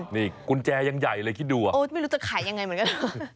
นี่กุญแจยังใหญ่เลยคิดดูอ่ะโอ้ไม่รู้จะขายยังไงเหมือนกัน